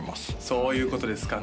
そういうことですか